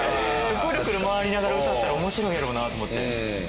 くるくる回りながら歌ったら面白いやろうなと思って。